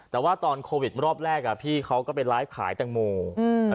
แต่ว่าตอนโควิดรอบแรกอ่ะพี่เขาก็ไปไลฟ์ขายแตงโมอืม